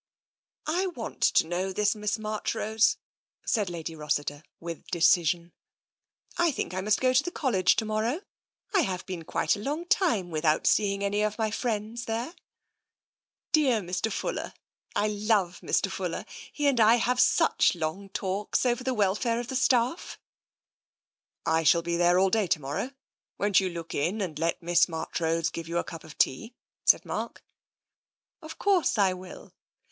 " I want to know this Miss Marchrose," said Lady Rossiter with decision. " I think I must go to the College to morrow — I have been quite a long time without seeing any of my friends there. Dear Mr. 48 TENSION Fuller ! I love Mr. Fuller — he and I have such long talks over the welfare of the staff." *' I shall be in there all day to morrow. Won't you look in and let Miss Marchrose give you a cup of tea? '* said Mark. 0f course I will.